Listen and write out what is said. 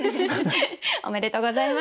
おめでとうございます。